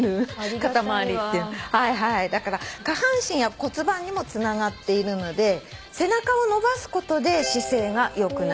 だから下半身や骨盤にもつながっているので背中を伸ばすことで姿勢が良くなる。